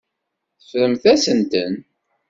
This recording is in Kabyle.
Teffremt-asent-ten.